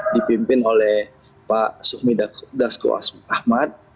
dipimpin oleh pak sukhmi dasko ahmad